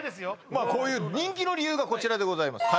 まあこういう人気の理由がこちらでございます